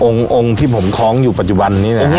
องค์ที่ผมคล้องอยู่ปัจจุบันนี้นะฮะ